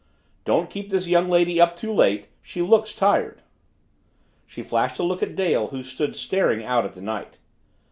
"Don't keep this young lady up too late; she looks tired." She flashed a look at Dale who stood staring out at the night.